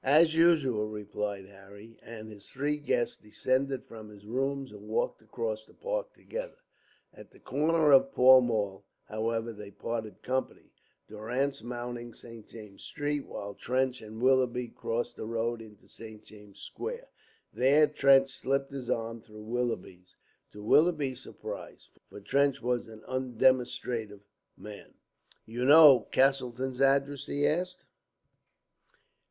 "As usual," replied Harry; and his three guests descended from his rooms and walked across the Park together. At the corner of Pall Mall, however, they parted company, Durrance mounting St. James's Street, while Trench and Willoughby crossed the road into St. James's Square. There Trench slipped his arm through Willoughby's, to Willoughby's surprise, for Trench was an undemonstrative man. "You know Castleton's address?" he asked.